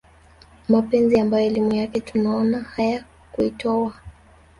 mapenzi ambayo elimu yake tunaona haya kuitowa